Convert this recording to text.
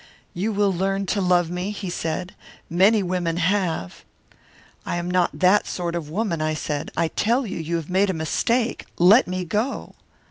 "'You will learn to love me,' he said. 'Many women have.' "'I am not that sort of a woman,' I said. 'I tell you, you have made a mistake. Let me go.'